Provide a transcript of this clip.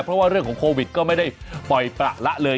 เพราะว่าเรื่องของโควิดก็ไม่ได้ปล่อยประละเลย